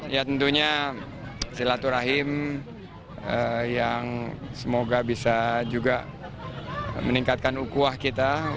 ya tentunya silaturahim yang semoga bisa juga meningkatkan ukuah kita